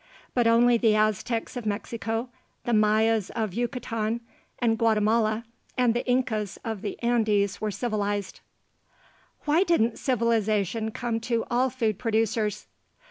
But only the Aztecs of Mexico, the Mayas of Yucatan and Guatemala, and the Incas of the Andes were civilized. WHY DIDN'T CIVILIZATION COME TO ALL FOOD PRODUCERS?